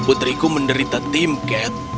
kau menangani timcat